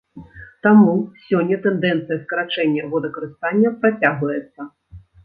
Таму, сёння тэндэнцыя скарачэння водакарыстання працягваецца.